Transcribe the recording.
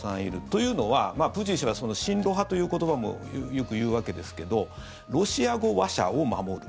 というのはプーチン氏は親ロ派という言葉もよく言うわけですけどロシア語話者を守る。